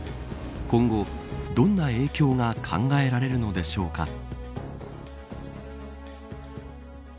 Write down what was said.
今後、どんな影響が考えられるのでしょうか。